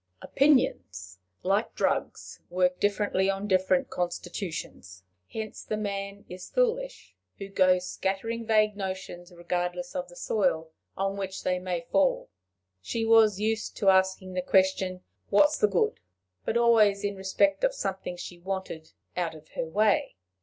Opinions, like drugs, work differently on different constitutions. Hence the man is foolish who goes scattering vague notions regardless of the soil on which they may fall. She was used to asking the question, What's the good? but always in respect of something she wanted out of her way.